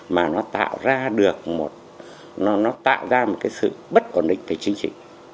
mà nó tạo ra một sự bất quản định về chính trị